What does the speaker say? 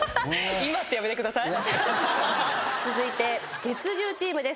続いて月１０チームです。